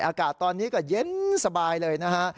อากาศตอนนี้ก็เย็นสบายเลยนะฮะ